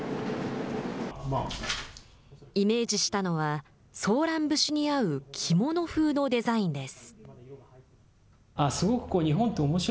イメージしたのはソーラン節に合う着物風のデザインです。